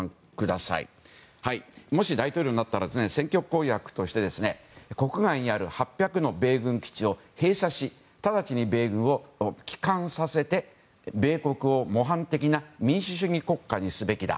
もし大統領になったら選挙公約として国外にある８００の米軍基地を閉鎖し直ちに米軍を帰還させて米国を模範的な民主主義国家にすべきだ。